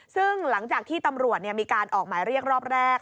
ซึ่งหลังจากที่ตำรวจมีการออกหมายเรียกรอบแรก